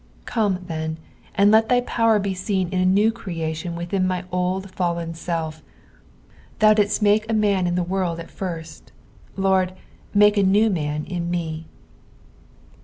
Come, then, and let thy power be seen in a new creation within my old fallen self. Thou didst make a man in the world at first; Lord, make a new man in me!